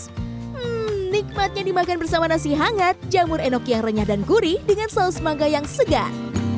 hmm nikmatnya dimakan bersama nasi hangat jamur enoki yang renyah dan gurih dengan saus mangga yang segar